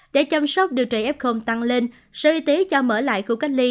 để chăm sóc điều trị f tăng lên sở y tế cho mở lại khu cách ly